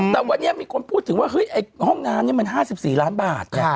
แต่วันนี้มีคนพูดถึงว่าเฮ้ยห้องน้ำนี่มัน๕๔ล้านบาท